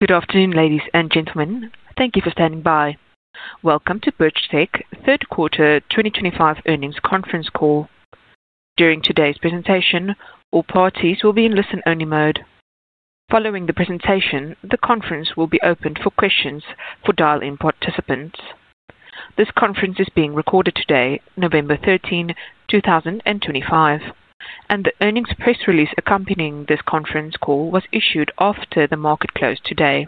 Good afternoon, ladies and gentlemen. Thank you for standing by. Welcome to Birchtech Q3 2025 Earnings Conference Call. During today's presentation, all parties will be in listen-only mode. Following the presentation, the conference will be open for questions for dial-in participants. This conference is being recorded today, November 13, 2025, and the earnings press release accompanying this conference call was issued after the market closed today.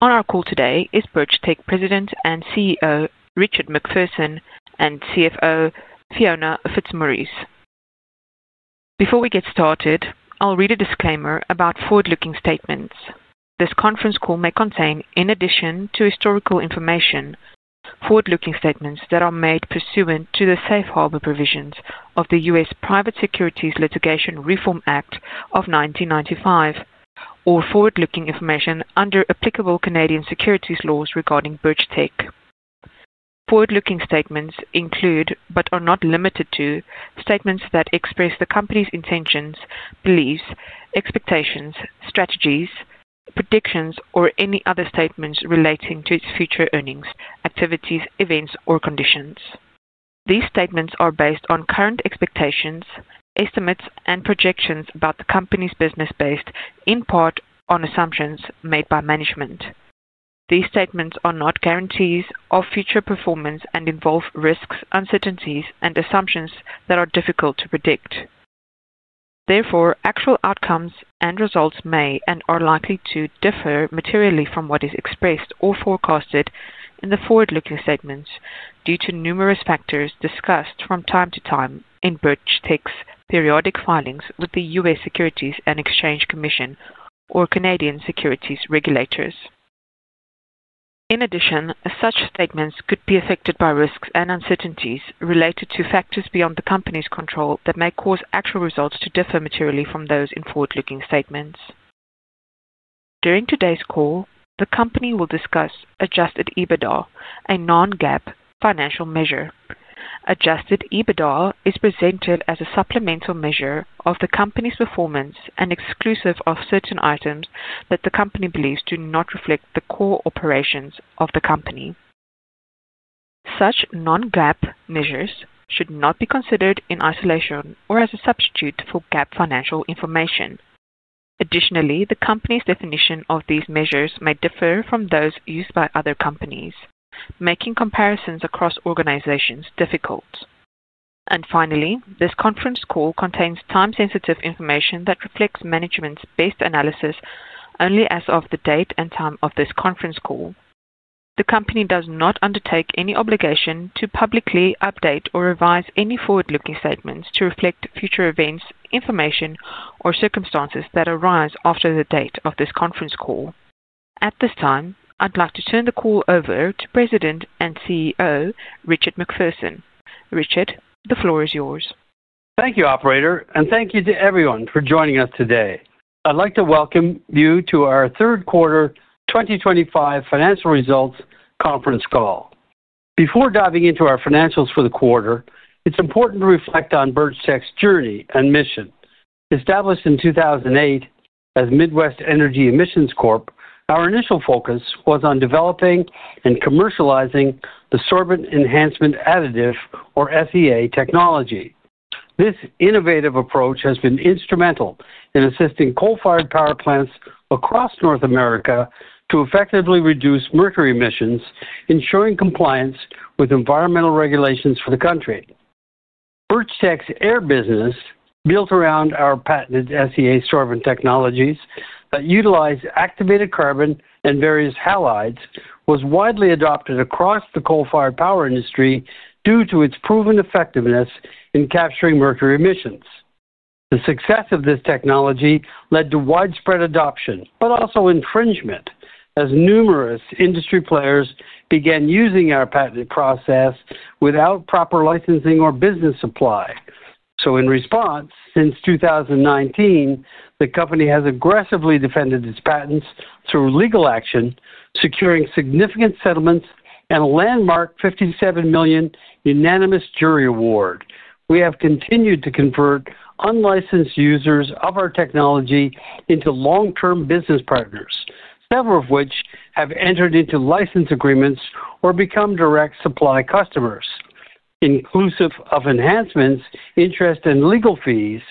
On our call today is Birchtech President and CEO, Richard MacPherson, and CFO, Fiona Fitzmaurice. Before we get started, I'll read a disclaimer about forward-looking statements. This conference call may contain, in addition to historical information, forward-looking statements that are made pursuant to the safe harbor provisions of the U.S. Private Securities Litigation Reform Act of 1995, or forward-looking information under applicable Canadian securities laws regarding Birchtech. Forward-looking statements include, but are not limited to, statements that express the company's intentions, beliefs, expectations, strategies, predictions, or any other statements relating to its future earnings, activities, events, or conditions. These statements are based on current expectations, estimates, and projections about the company's business based, in part, on assumptions made by management. These statements are not guarantees of future performance and involve risks, uncertainties, and assumptions that are difficult to predict. Therefore, actual outcomes and results may and are likely to differ materially from what is expressed or forecasted in the forward-looking statements due to numerous factors discussed from time to time in Birchtech's periodic filings with the U.S. Securities and Exchange Commission or Canadian securities regulators. In addition, such statements could be affected by risks and uncertainties related to factors beyond the company's control that may cause actual results to differ materially from those in forward-looking statements. During today's call, the company will discuss adjusted EBITDA, a non-GAAP financial measure. Adjusted EBITDA is presented as a supplemental measure of the company's performance and exclusive of certain items that the company believes do not reflect the core operations of the company. Such non-GAAP measures should not be considered in isolation or as a substitute for GAAP financial information. Additionally, the company's definition of these measures may differ from those used by other companies, making comparisons across organizations difficult. Finally, this conference call contains time-sensitive information that reflects management's best analysis only as of the date and time of this conference call. The company does not undertake any obligation to publicly update or revise any forward-looking statements to reflect future events, information, or circumstances that arise after the date of this conference call. At this time, I'd like to turn the call over to President and CEO, Richard MacPherson. Richard, the floor is yours. Thank you, Operator, and thank you to everyone for joining us today. I'd like to welcome you to our Q3 2025 financial results conference call. Before diving into our financials for the quarter, it's important to reflect on Birchtech's journey and mission. Established in 2008 as Midwest Energy Emissions Corp, our initial focus was on developing and commercializing the Sorbent Enhancement Additive, or SEA, technology. This innovative approach has been instrumental in assisting coal-fired power plants across North America to effectively reduce mercury emissions, ensuring compliance with environmental regulations for the country. Birchtech's air business, built around our patented SEA Sorbent Technologies that utilize Activated Carbon and various halides, was widely adopted across the coal-fired power industry due to its proven effectiveness in capturing mercury emissions. The success of this technology led to widespread adoption, but also infringement, as numerous industry players began using our patent process without proper licensing or business supply. In response, since 2019, the company has aggressively defended its patents through legal action, securing significant settlements and a landmark $57 million unanimous jury award. We have continued to convert unlicensed users of our technology into long-term business partners, several of which have entered into license agreements or become direct supply customers. Inclusive of enhancements, interest, and legal fees,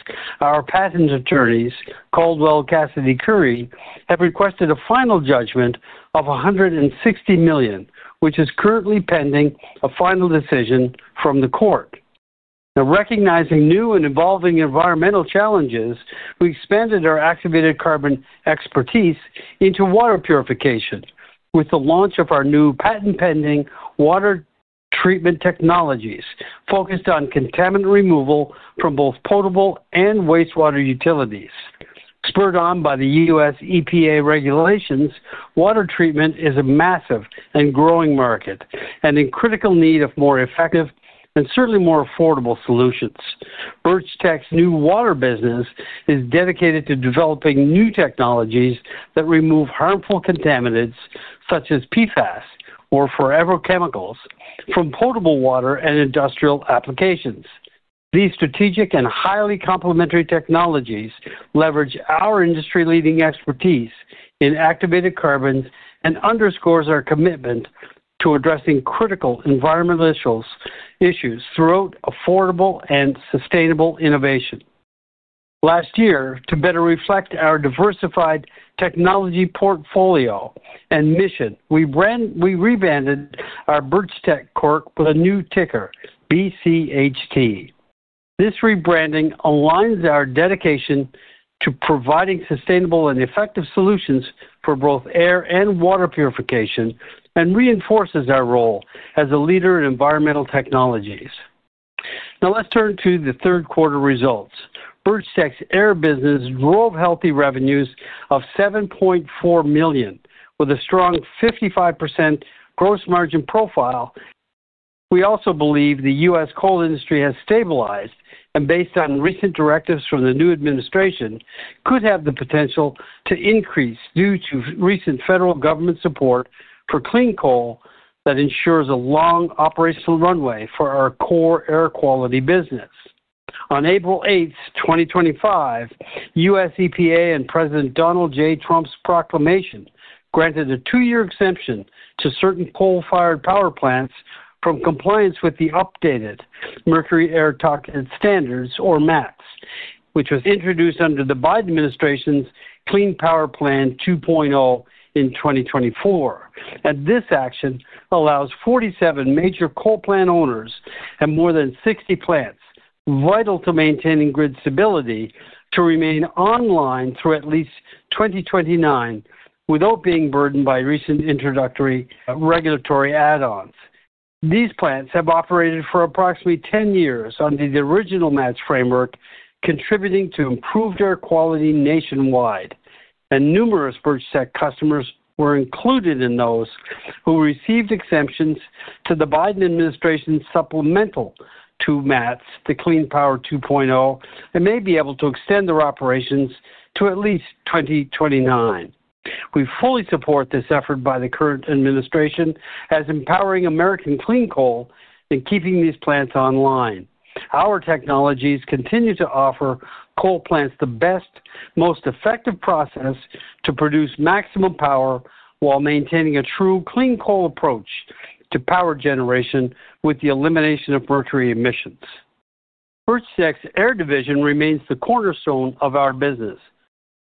our patent attorneys, Caldwell and Cassidy Curry, have requested a final judgment of $160 million, which is currently pending a final decision from the court. Now, recognizing new and evolving environmental challenges, we expanded our activated carbon expertise into water purification with the launch of our new patent-pending water treatment technologies focused on contaminant removal from both potable and wastewater utilities. Spurred on by the U.S. EPA regulations, water treatment is a massive and growing market and in critical need of more effective and certainly more affordable solutions. Birchtech's new water business is dedicated to developing new technologies that remove harmful contaminants such as PFAS or forever chemicals from potable water and industrial applications. These strategic and highly complementary technologies leverage our industry-leading expertise in Activated Carbon and underscore our commitment to addressing critical environmental issues through affordable and sustainable innovation. Last year, to better reflect our diversified technology portfolio and mission, we rebranded as Birchtech with a new ticker, BCHT. This rebranding aligns our dedication to providing sustainable and effective solutions for both air and water purification and reinforces our role as a leader in environmental technologies. Now, let's turn to thethird quarter results. Birchtech's air business drove healthy revenues of $7.4 million, with a strong 55% gross margin profile. We also believe the U.S. coal industry has stabilized and, based on recent directives from the new administration, could have the potential to increase due to recent federal government support for clean coal that ensures a long operational runway for our core air quality business. On April 8, 2025, U.S. EPA and President Donald J. Trump's proclamation granted a two-year exemption to certain coal-fired power plants from compliance with the updated Mercury Air Toxic Standards, or MATS, which was introduced under the Biden administration's Clean Power Plan 2.0 in 2024. This action allows 47 major coal plant owners and more than 60 plants vital to maintaining grid stability to remain online through at least 2029 without being burdened by recent introductory regulatory add-ons. These plants have operated for approximately 10 years under the original MATS framework, contributing to improved air quality nationwide. Numerous Birchtech customers were included in those who received exemptions to the Biden administration's supplemental to MATS, the Clean Power 2.0, and may be able to extend their operations to at least 2029. We fully support this effort by the current administration as empowering American clean coal and keeping these plants online. Our technologies continue to offer coal plants the best, most effective process to produce maximum power while maintaining a true clean coal approach to power generation with the elimination of mercury emissions. Birchtech's air division remains the cornerstone of our business,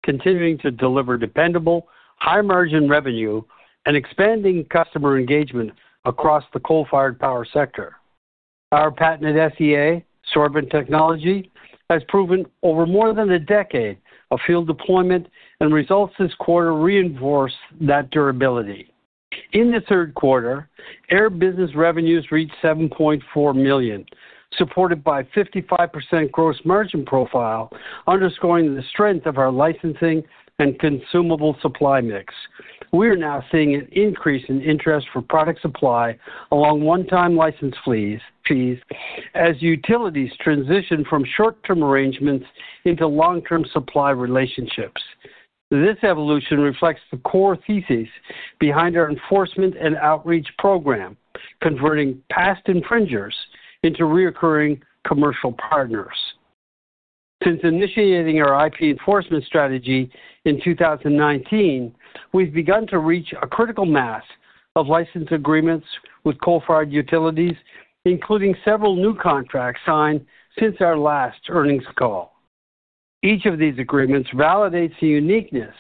continuing to deliver dependable, high-margin revenue and expanding customer engagement across the coal-fired power sector. Our patented SEA sorbent technology has proven over more than a decade of field deployment, and results this quarter reinforce that durability. In the third quarter, air business revenues reached $7.4 million, supported by a 55% gross margin profile, underscoring the strength of our licensing and consumable supply mix. We are now seeing an increase in interest for product supply along one-time license fees as utilities transition from short-term arrangements into long-term supply relationships. This evolution reflects the core thesis behind our enforcement and outreach program, converting past infringers into reoccurring commercial partners. Since initiating our IP enforcement strategy in 2019, we've begun to reach a critical mass of license agreements with coal-fired utilities, including several new contracts signed since our last earnings call. Each of these agreements validates the uniqueness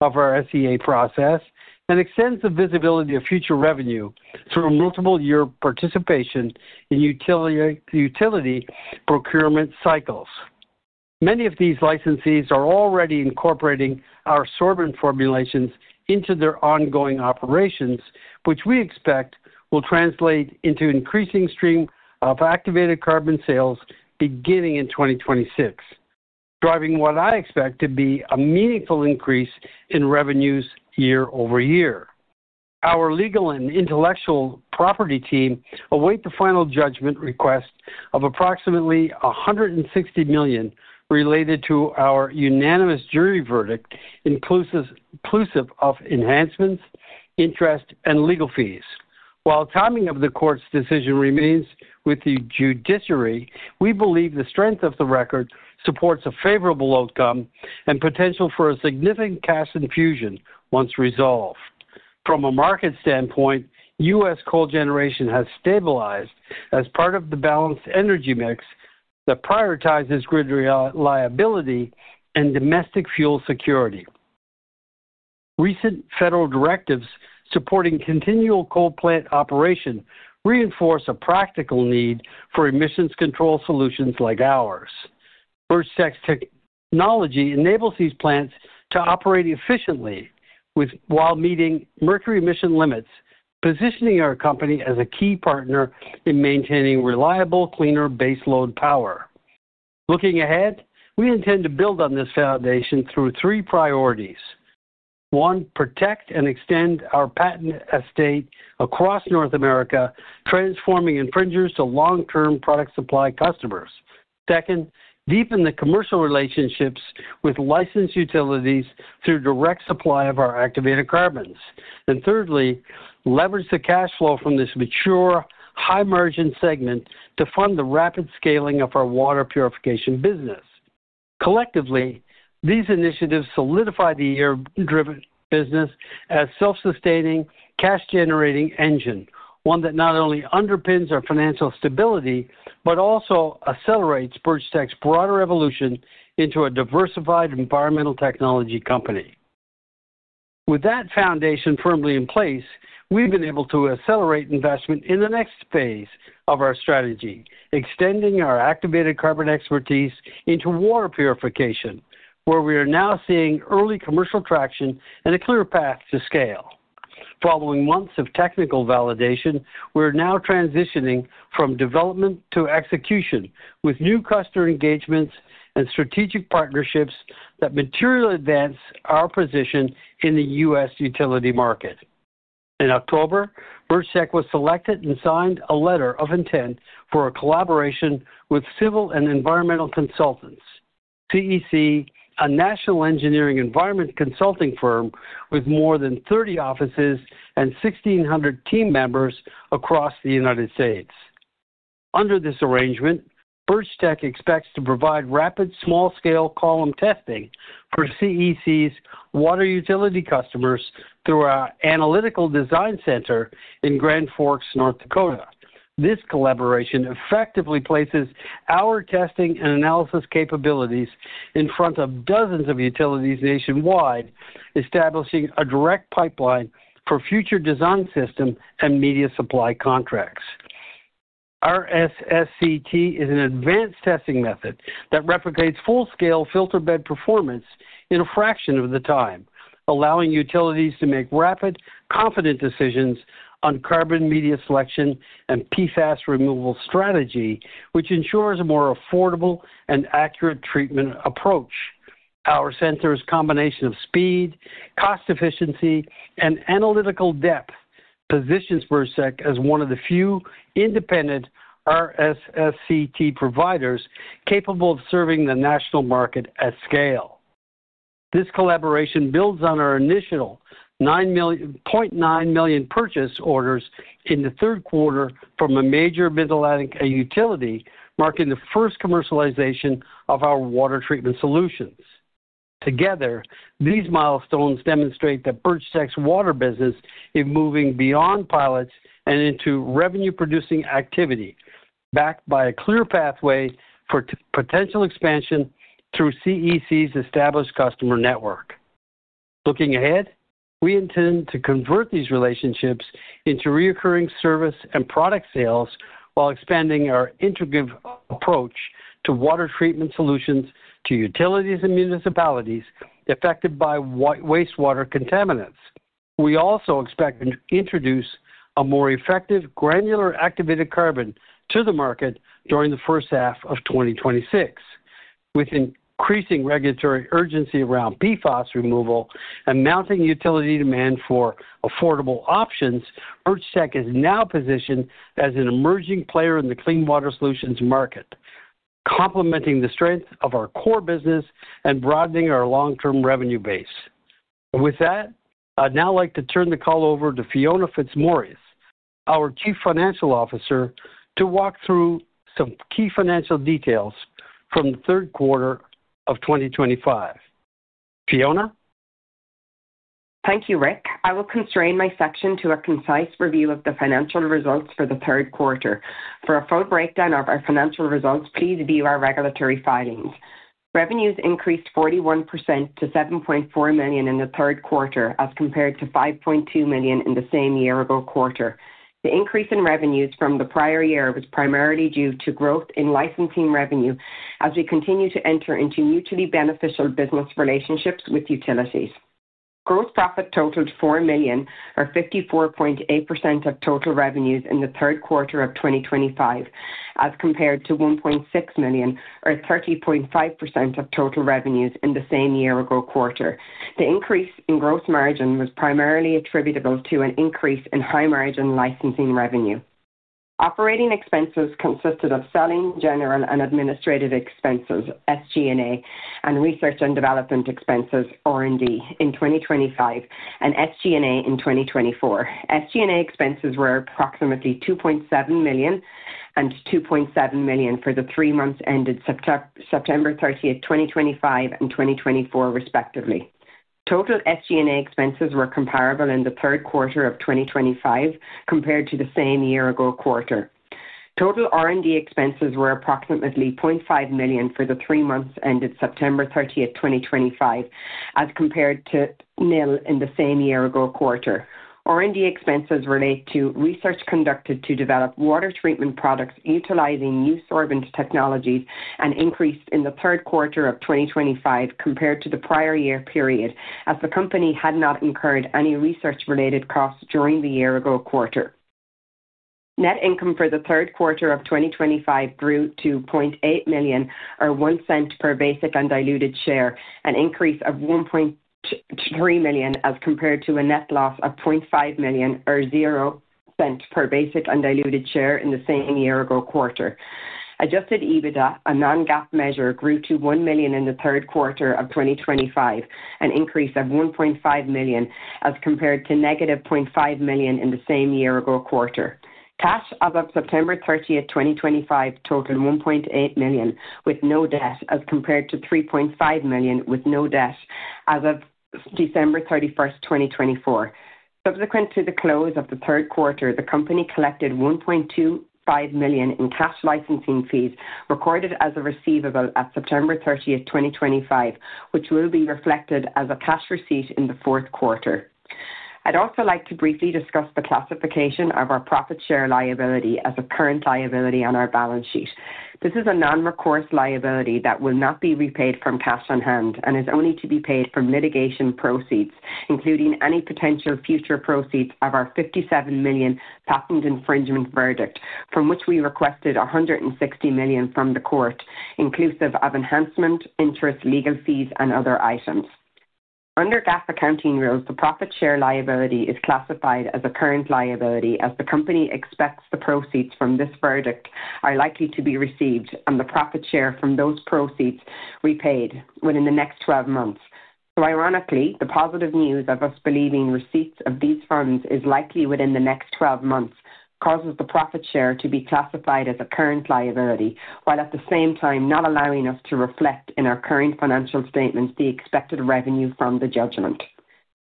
of our SEA process and extends the visibility of future revenue through multiple-year participation in utility procurement cycles. Many of these licensees are already incorporating our sorbent formulations into their ongoing operations, which we expect will translate into an increasing stream of activated carbon sales beginning in 2026, driving what I expect to be a meaningful increase in revenues year-over-year. Our legal and intellectual property team await the final judgment request of approximately $160 million related to our unanimous jury verdict, inclusive of enhancements, interest, and legal fees. While timing of the court's decision remains with the judiciary, we believe the strength of the record supports a favorable outcome and potential for a significant cash infusion once resolved. From a market standpoint, U.S. coal generation has stabilized as part of the balanced energy mix that prioritizes grid reliability and domestic fuel security. Recent federal directives supporting continual coal plant operation reinforce a practical need for emissions control solutions like ours. Birchtech's technology enables these plants to operate efficiently while meeting mercury emission limits, positioning our company as a key partner in maintaining reliable, cleaner baseload power. Looking ahead, we intend to build on this foundation through three priorities: one, protect and extend our patent estate across North America, transforming infringers to long-term product supply customers; second, deepen the commercial relationships with licensed utilities through direct supply of our activated carbons; and thirdly, leverage the cash flow from this mature, high-margin segment to fund the rapid scaling of our water purification business. Collectively, these initiatives solidify the air-driven business as a self-sustaining, cash-generating engine, one that not only underpins our financial stability but also accelerates Birchtech's broader evolution into a diversified environmental technology company. With that foundation firmly in place, we've been able to accelerate investment in the next phase of our strategy, extending our Cctivated carbon expertise into water purification, where we are now seeing early commercial traction and a clear path to scale. Following months of technical validation, we're now transitioning from development to execution with new customer engagements and strategic partnerships that materially advance our position in the U.S. utility market. In October, Birchtech was selected and signed a letter of intent for a collaboration with CEC, a national engineering environment consulting firm with more than 30 offices and 1,600 team members across the United States. Under this arrangement, Birchtech expects to provide Rapid Small-Scale Column Testing for CEC's water utility customers through our analytical design center in Grand Forks, North Dakota. This collaboration effectively places our testing and analysis capabilities in front of dozens of utilities nationwide, establishing a direct pipeline for future design system and media supply contracts. Our RSSCT is an advanced testing method that replicates full-scale filter bed performance in a fraction of the time, allowing utilities to make rapid, confident decisions on carbon media selection and PFAS removal strategy, which ensures a more affordable and accurate treatment approach. Our center's combination of speed, cost efficiency, and analytical depth positions Birchtech as one of the few independent RSSCT providers capable of serving the national market at scale. This collaboration builds on our initial $9.9 million purchase orders in third quarter from a major Mid-Atlantic utility, marking the first commercialization of our water treatment solutions. Together, these milestones demonstrate that Birchtech's water business is moving beyond pilots and into revenue-producing activity, backed by a clear pathway for potential expansion through CEC's established customer network. Looking ahead, we intend to convert these relationships into recurring service and product sales while expanding our integrative approach to water treatment solutions to utilities and municipalities affected by wastewater contaminants. We also expect to introduce a more effective granular activated carbon to the market during the first half of 2026. With increasing regulatory urgency around PFAS removal and mounting utility demand for affordable options, Birchtech is now positioned as an emerging player in the clean water solutions market, complementing the strength of our core business and broadening our long-term revenue base. With that, I'd now like to turn the call over to Fiona Fitzmaurice, our Chief Financial Officer, to walk through some key financial details from third quarter of 2025. Fiona? Thank you, Rick. I will constrain my section to a concise review of the financial results for third quarter. For a full breakdown of our financial results, please view our regulatory filings. Revenues increased 41% to $7.4 million in third quarter, as compared to $5.2 million in the same year or quarter. The increase in revenues from the prior year was primarily due to growth in licensing revenue as we continue to enter into mutually beneficial business relationships with utilities. Gross profit totaled $4 million, or 54.8% of total revenues in Q3 of 2025, as compared to $1.6 million, or 30.5% of total revenues in the same year or quarter. The increase in gross margin was primarily attributable to an increase in high-margin licensing revenue. Operating expenses consisted of selling, general, and administrative expenses, SG&A, and research and development expenses, R&D, in 2025 and SG&A in 2024. SG&A expenses were approximately $2.7 million and $2.7 million for the three months ended September 30, 2025, and 2024, respectively. Total SG&A expenses were comparable in Q3 of 2025 compared to the same year or quarter. Total R&D expenses were approximately $0.5 million for the three months ended September 30, 2025, as compared to $1 million in the same year or quarter. R&D expenses relate to research conducted to develop water treatment products utilizing new sorbent technologies and increased in third quarter of 2025 compared to the prior year period, as the company had not incurred any research-related costs during the year or quarter. Net income for third quarter of 2025 grew to $0.8 million, or $0.01 per basic undiluted share, an increase of $1.3 million as compared to a net loss of $0.5 million, or $0.00 per basic undiluted share in the same year or quarter. Adjusted EBITDA, a non-GAAP measure, grew to $1 million in third quarter of 2025, an increase of $1.5 million as compared to negative $0.5 million in the same year or quarter. Cash as of September 30, 2025, totaled $1.8 million, with no debt, as compared to $3.5 million with no debt as of December 31, 2024. Subsequent to the close of third quarter, the company collected $1.25 million in cash licensing fees recorded as a receivable at September 30, 2025, which will be reflected as a cash receipt in Q4. I'd also like to briefly discuss the classification of our profit share liability as a current liability on our balance sheet. This is a non-recourse liability that will not be repaid from cash on hand and is only to be paid from litigation proceeds, including any potential future proceeds of our $57 million patent infringement verdict, from which we requested $160 million from the court, inclusive of enhancement, interest, legal fees, and other items. Under GAAP accounting rules, the profit share liability is classified as a current liability as the company expects the proceeds from this verdict are likely to be received and the profit share from those proceeds repaid within the next 12 months. Ironically, the positive news of us believing receipts of these funds is likely within the next 12 months causes the profit share to be classified as a current liability, while at the same time not allowing us to reflect in our current financial statements the expected revenue from the judgment.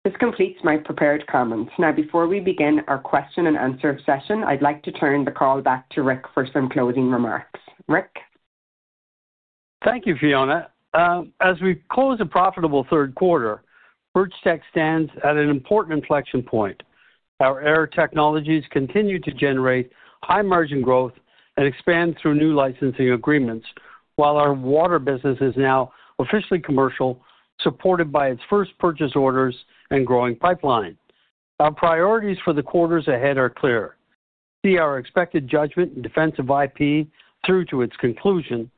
This completes my prepared comments. Now, before we begin our question and answer session, I'd like to turn the call back to Rick for some closing remarks. Rick? Thank you, Fiona. As we close a profitable Q3, Birchtech stands at an important inflection point. Our air technologies continue to generate high-margin growth and expand through new licensing agreements, while our water business is now officially commercial, supported by its first purchase orders and growing pipeline. Our priorities for the quarters ahead are clear. See our expected judgment and defensive IP through to its conclusion,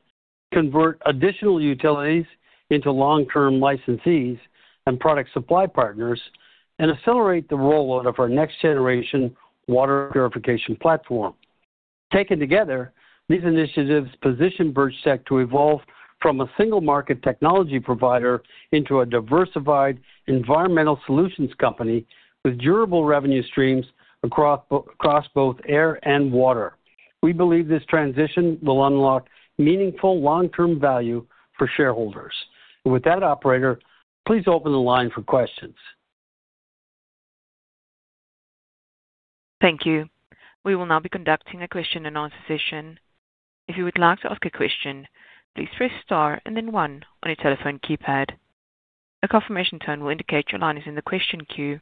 convert additional utilities into long-term licensees and product supply partners, and accelerate the rollout of our next-generation water purification platform. Taken together, these initiatives position Birchtech to evolve from a single-market technology provider into a diversified environmental solutions company with durable revenue streams across both air and water. We believe this transition will unlock meaningful long-term value for shareholders. With that, operator, please open the line for questions. Thank you. We will now be conducting a question-and-answer session. If you would like to ask a question, please press star and then one on your telephone keypad. A confirmation tone will indicate your line is in the question queue.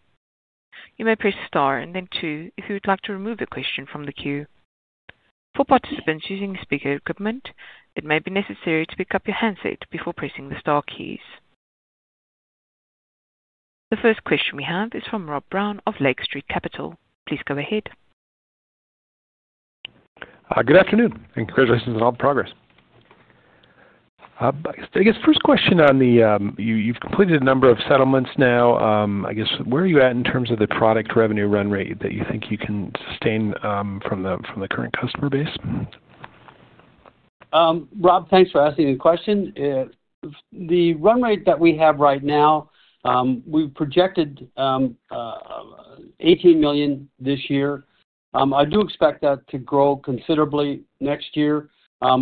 You may press star and then two if you would like to remove a question from the queue. For participants using speaker equipment, it may be necessary to pick up your handset before pressing the star keys. The first question we have is from Rob Brown of Lake Street Capital. Please go ahead. Good afternoon. Congratulations on all the progress. I guess first question on the—you've completed a number of settlements now. I guess where are you at in terms of the product revenue run rate that you think you can sustain from the current customer base? Rob, thanks for asking the question. The run rate that we have right now, we've projected $18 million this year. I do expect that to grow considerably next year.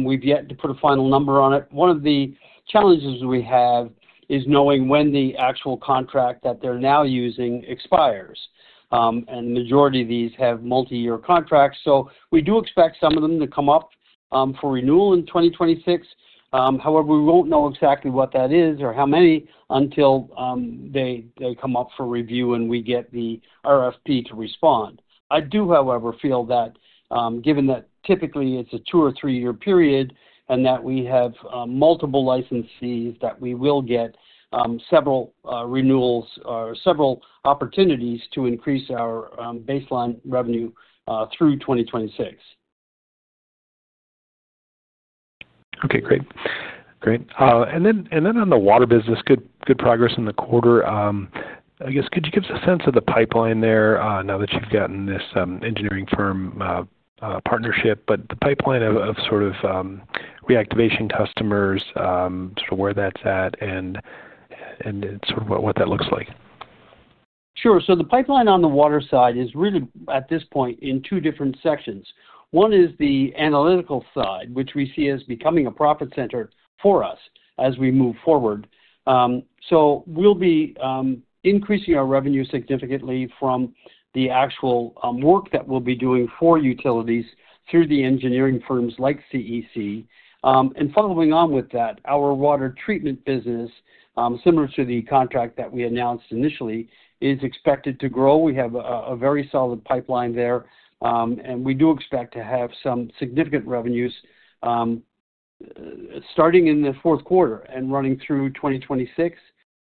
We've yet to put a final number on it. One of the challenges we have is knowing when the actual contract that they're now using expires. The majority of these have multi-year contracts. We do expect some of them to come up for renewal in 2026. However, we won't know exactly what that is or how many until they come up for review and we get the RFP to respond. I do, however, feel that given that typically it's a two or three year period and that we have multiple licensees, that we will get several renewals or several opportunities to increase our baseline revenue through 2026. Okay. Great. Great. On the water business, good progress in the quarter. I guess could you give us a sense of the pipeline there now that you have gotten this engineering firm partnership? The pipeline of reactivation customers, where that is at, and what that looks like? Sure. The pipeline on the water side is really, at this point, in two different sections. One is the analytical side, which we see as becoming a profit center for us as we move forward. We will be increasing our revenue significantly from the actual work that we will be doing for utilities through the engineering firms like CEC. Following on with that, our water treatment business, similar to the contract that we announced initially, is expected to grow. We have a very solid pipeline there. We do expect to have some significant revenues starting in fourth quarter and running through 2026.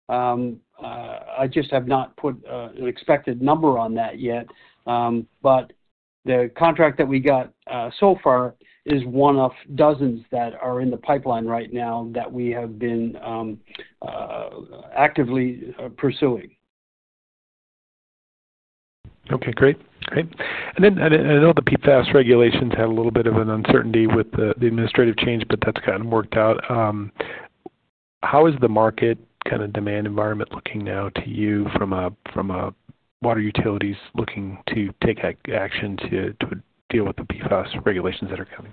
I just have not put an expected number on that yet. The contract that we got so far is one of dozens that are in the pipeline right now that we have been actively pursuing. Okay. Great. Great. I know the PFAS regulations had a little bit of an uncertainty with the administrative change, but that has kind of worked out. How is the market kind of demand environment looking now to you from water utilities looking to take action to deal with the PFAS regulations that are coming?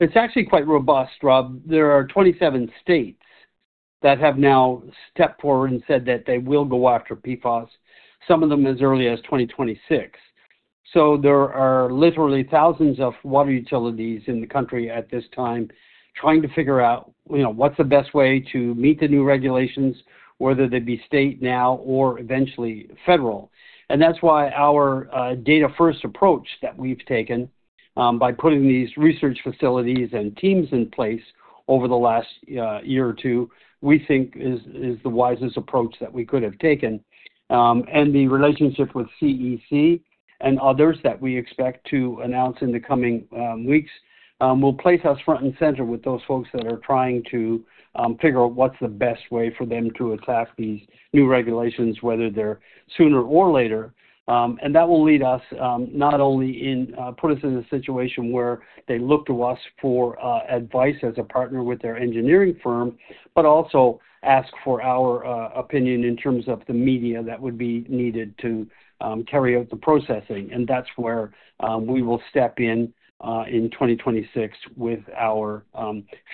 It is actually quite robust, Rob. There are 27 states that have now stepped forward and said that they will go after PFAS, some of them as early as 2026. There are literally thousands of water utilities in the country at this time trying to figure out what's the best way to meet the new regulations, whether they be state now or eventually federal. That's why our data-first approach that we've taken by putting these research facilities and teams in place over the last year or two, we think is the wisest approach that we could have taken. The relationship with CEC and others that we expect to announce in the coming weeks will place us front and center with those folks that are trying to figure out what's the best way for them to attack these new regulations, whether they're sooner or later. That will lead us not only in put us in a situation where they look to us for advice as a partner with their engineering firm, but also ask for our opinion in terms of the media that would be needed to carry out the processing. That is where we will step in in 2026 with our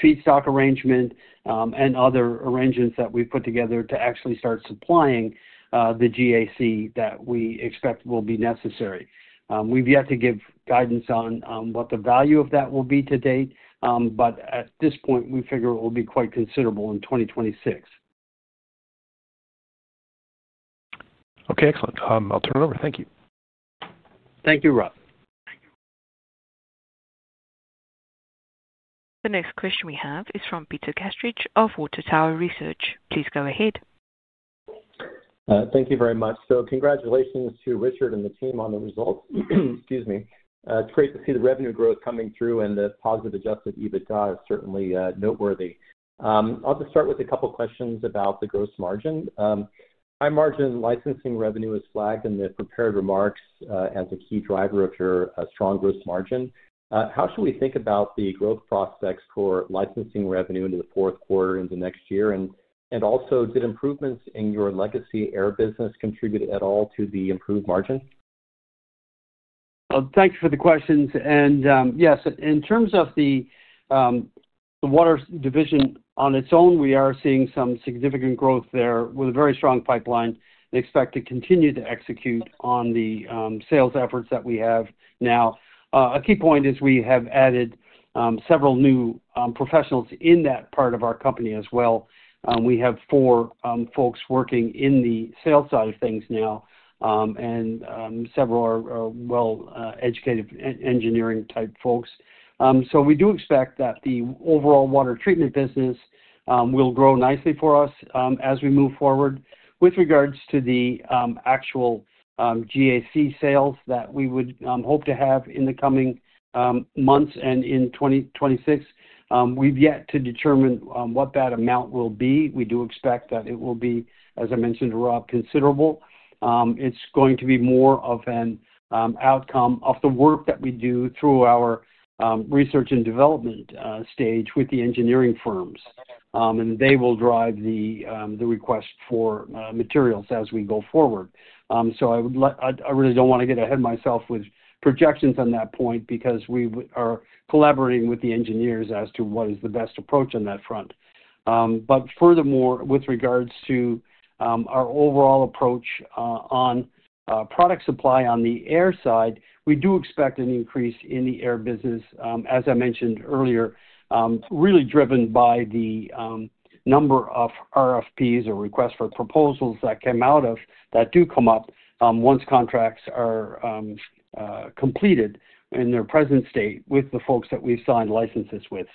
feedstock arrangement and other arrangements that we have put together to actually start supplying the GAC that we expect will be necessary. We have yet to give guidance on what the value of that will be to date, but at this point, we figure it will be quite considerable in 2026. Okay. Excellent. I'll turn it over. Thank you. Thank you, Rob. The next question we have is from Peter Gastreich of Water Tower Research. Please go ahead. Thank you very much. Congratulations to Richard and the team on the results. Excuse me. It's great to see the revenue growth coming through, and the positive adjusted EBITDA is certainly noteworthy. I'll just start with a couple of questions about the gross margin. High-margin licensing revenue is flagged in the prepared remarks as a key driver of your strong gross margin. How should we think about the growth prospects for licensing revenue into the fourth quarter into next year? Also, did improvements in your legacy air business contribute at all to the improved margin? Thanks for the questions. Yes, in terms of the water division on its own, we are seeing some significant growth there with a very strong pipeline. We expect to continue to execute on the sales efforts that we have now. A key point is we have added several new professionals in that part of our company as well. We have four folks working in the sales side of things now, and several are well-educated engineering-type folks. We do expect that the overall water treatment business will grow nicely for us as we move forward. With regards to the actual GAC sales that we would hope to have in the coming months and in 2026, we have yet to determine what that amount will be. We do expect that it will be, as I mentioned to Rob, considerable. It is going to be more of an outcome of the work that we do through our research and development stage with the engineering firms. They will drive the request for materials as we go forward. I really do not want to get ahead of myself with projections on that point because we are collaborating with the engineers as to what is the best approach on that front. Furthermore, with regards to our overall approach on product supply on the air side, we do expect an increase in the air business, as I mentioned earlier, really driven by the number of RFPs or requests for proposals that come out that do come up once contracts are completed in their present state with the folks that we've signed licenses with.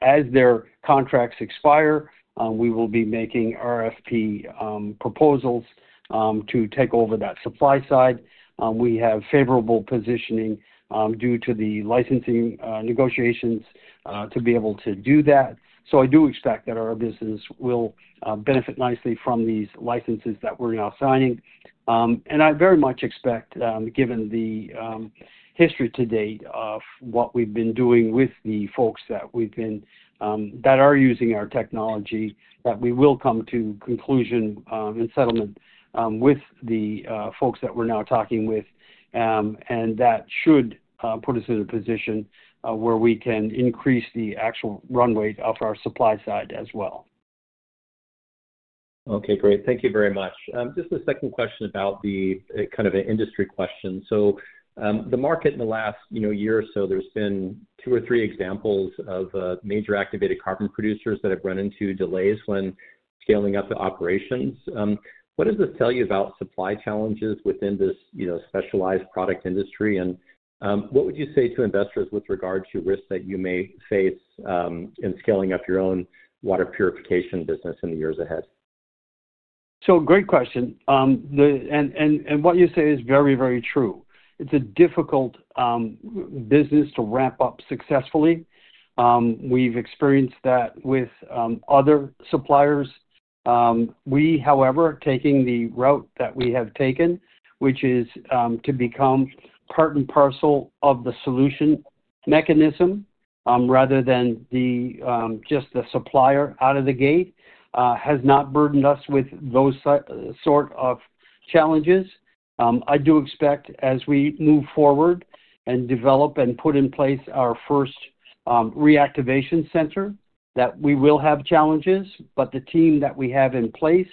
As their contracts expire, we will be making RFP proposals to take over that supply side. We have favorable positioning due to the licensing negotiations to be able to do that. I do expect that our business will benefit nicely from these licenses that we're now signing. I very much expect, given the history to date of what we've been doing with the folks that we've been that are using our technology, that we will come to conclusion and settlement with the folks that we're now talking with. That should put us in a position where we can increase the actual run rate of our supply side as well. Okay. Great. Thank you very much. Just a second question about the kind of industry question. The market in the last year or so, there's been two or three examples of major Activated Carbon producers that have run into delays when scaling up the operations. What does this tell you about supply challenges within this specialized product industry? What would you say to investors with regard to risks that you may face in scaling up your own water purification business in the years ahead? Great question. What you say is very, very true. It's a difficult business to ramp up successfully. We've experienced that with other suppliers. We, however, are taking the route that we have taken, which is to become part and parcel of the solution mechanism rather than just the supplier out of the gate. Has not burdened us with those sort of challenges. I do expect as we move forward and develop and put in place our first reactivation center that we will have challenges. The team that we have in place,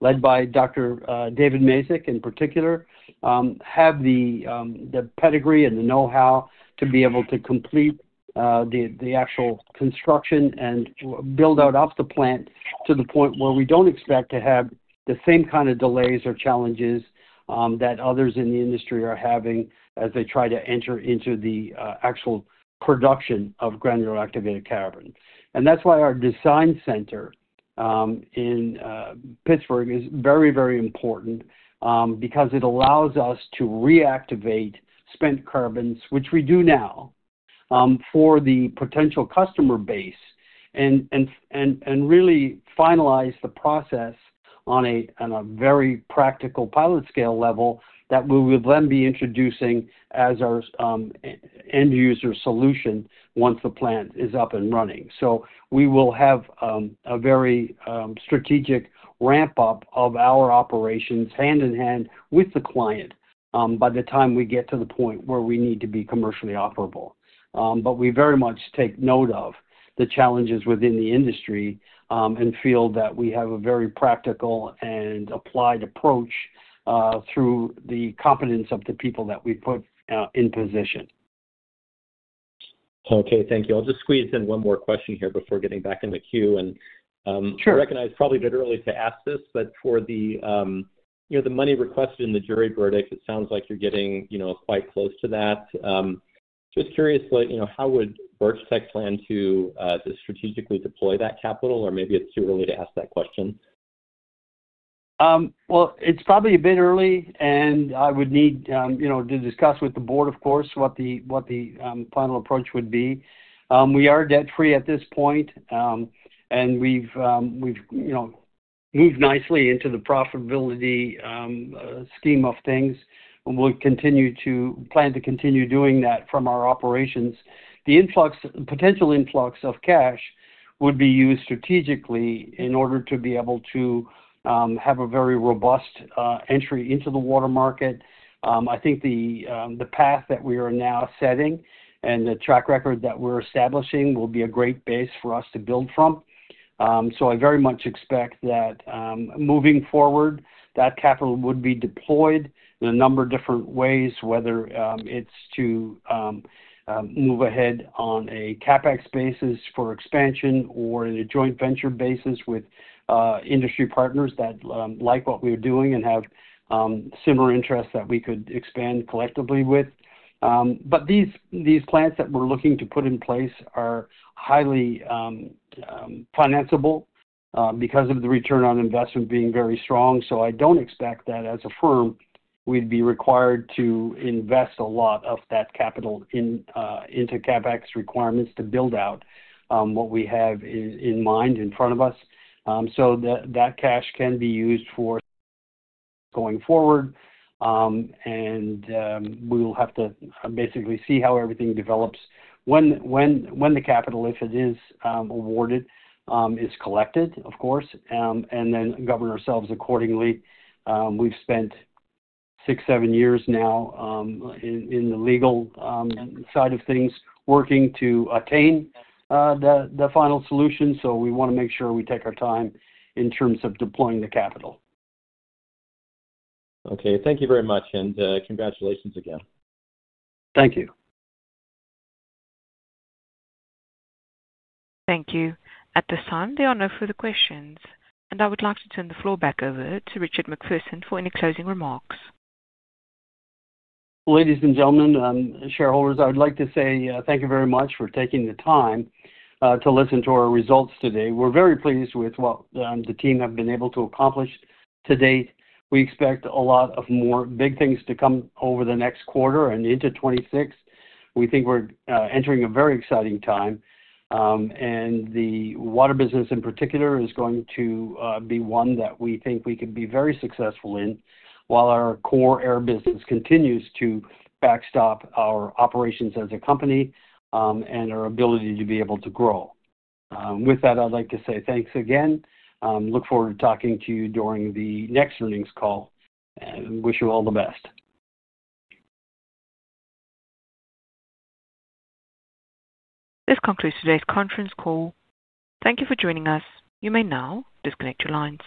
led by Dr. David Masich in particular, have the pedigree and the know-how to be able to complete the actual construction and build out of the plant to the point where we do not expect to have the same kind of delays or challenges that others in the industry are having as they try to enter into the actual production of Granular Activated Carbon. That is why our design center in Pittsburgh is very, very important because it allows us to reactivate spent carbons, which we do now, for the potential customer base and really finalize the process on a very practical pilot scale level that we will then be introducing as our end user solution once the plant is up and running. We will have a very strategic ramp-up of our operations hand in hand with the client by the time we get to the point where we need to be commercially operable. We very much take note of the challenges within the industry and feel that we have a very practical and applied approach through the competence of the people that we put in position. Okay. Thank you. I'll just squeeze in one more question here before getting back in the queue. I recognize probably a bit early to ask this, but for the money requested in the jury verdict, it sounds like you're getting quite close to that. Just curious, how would Birchtech plan to strategically deploy that capital? Or maybe it's too early to ask that question. It's probably a bit early. I would need to discuss with the board, of course, what the final approach would be. We are debt-free at this point. We have moved nicely into the profitability scheme of things. We will continue to plan to continue doing that from our operations. The potential influx of cash would be used strategically in order to be able to have a very robust entry into the water market. I think the path that we are now setting and the track record that we are establishing will be a great base for us to build from. I very much expect that moving forward, that capital would be deployed in a number of different ways, whether it is to move ahead on a CapEx basis for expansion or in a joint venture basis with industry partners that like what we are doing and have similar interests that we could expand collectively with. These plants that we're looking to put in place are highly financeable because of the return on investment being very strong. I don't expect that as a firm, we'd be required to invest a lot of that capital into CapEx requirements to build out what we have in mind in front of us. That cash can be used for going forward. We will have to basically see how everything develops when the capital, if it is awarded, is collected, of course, and then govern ourselves accordingly. We've spent six, seven years now in the legal side of things working to attain the final solution. We want to make sure we take our time in terms of deploying the capital. Okay. Thank you very much. Congratulations again. Thank you. Thank you. At this time, there are no further questions. I would like to turn the floor back over to Richard MacPherson for any closing remarks. Ladies and gentlemen, shareholders, I would like to say thank you very much for taking the time to listen to our results today. We are very pleased with what the team have been able to accomplish to date. We expect a lot more big things to come over the next quarter and into 2026. We think we are entering a very exciting time. The water business in particular is going to be one that we think we can be very successful in while our core air business continues to backstop our operations as a company and our ability to be able to grow. With that, I would like to say thanks again. I look forward to talking to you during the next earnings call and wish you all the best. This concludes today's conference call. Thank you for joining us. You may now disconnect your lines.